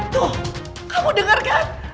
tuh kamu denger kan